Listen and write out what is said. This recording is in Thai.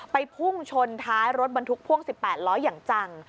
พุ่งชนท้ายรถบรรทุกพ่วง๑๘ล้ออย่างจัง